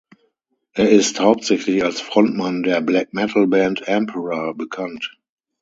Er ist hauptsächlich als Frontmann der Black-Metal-Band Emperor bekannt.